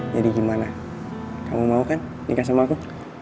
jadi gimana kamu mau kan nikah sama aku